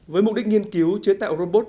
với mục đích nghiên cứu chế tạo robot